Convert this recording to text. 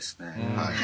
はい。